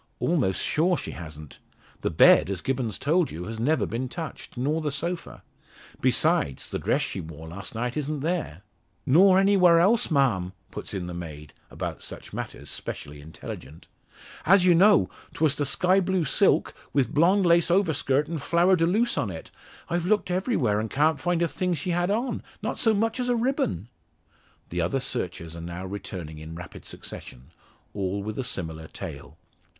"Almost sure she hasn't. The bed, as Gibbons told you, has never been touched, nor the sofa. Besides, the dress she wore last night isn't there." "Nor anywhere else, ma'am," puts in the maid; about such matters specially intelligent. "As you know, 'twas the sky blue silk, with blonde lace over skirt, and flower de loose on it. I've looked everywhere, and can't find a thing she had on not so much as a ribbon!" The other searchers are now returning in rapid succession, all with a similar tale.